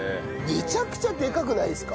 めちゃくちゃでかくないですか？